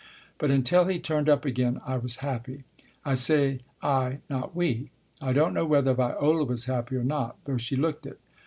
But until he turned up again I was happy. I say I, not we. I don't know whether Viola was happy or not, though she looked it.